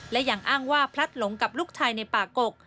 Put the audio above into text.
และยังอ้างว่าพลัดหลงกับลูกชายในป่ากก